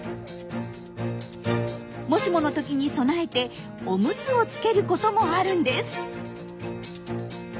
もしもの時に備えてオムツをつけることもあるんです。